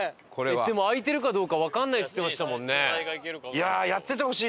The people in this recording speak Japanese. でも開いてるかどうかわからないっつってましたもんね。